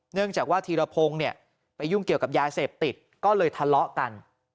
เนื่องจากว่าธีรพงศ์เนี่ยไปยุ่งเกี่ยวกับยาเสพติดก็เลยทะเลาะกัน